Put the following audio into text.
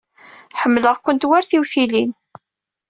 Ḥemmleɣ-kent war tiwtilin.